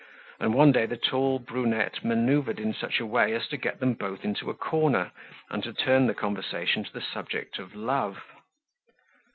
And one day the tall brunette maneuvered in such a way as to get them both into a corner, and to turn the conversation to the subject of love.